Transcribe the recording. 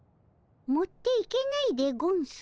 持っていけないでゴンス？